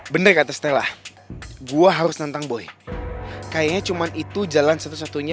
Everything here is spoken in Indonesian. bener kata stella gue harus nantang boy kayaknya cuman itu jalan satu satunya